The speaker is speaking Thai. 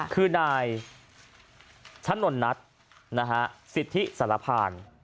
คือนายชะนนนัทสิทธิสารพาน